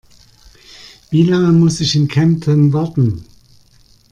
Wie lange muss ich in Kempten warten?